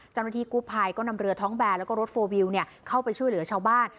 เจ้าหน้าที่กู้ภัยก็นำเรือท้องแบนแล้วก็รถโฟลวิวเข้าไปช่วยเหลือชาวบ้าน